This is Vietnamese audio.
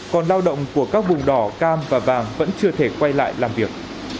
còn lao động của các vùng đỏ cam và vàng vẫn chưa thể quay lại làm việc